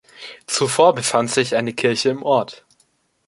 Zuvor befand sich eine Kirche im Ort.